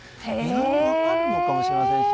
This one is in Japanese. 分かるのかもしれませんね。